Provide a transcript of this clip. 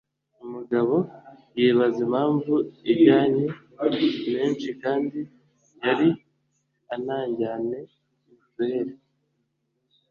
umugabo yibaza impamvu ajyanye menshi kandi yari ananjyane mituweli